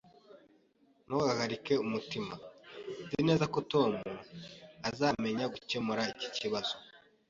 Ntugahagarike umutima. Nzi neza ko Tom azamenya gukemura iki kibazo